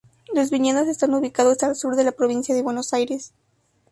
Los viñedos están ubicados al sur de la provincia de Buenos Aires.